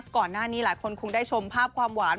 ก่อนหน้านี้หลายคนคงได้ชมภาพความหวาน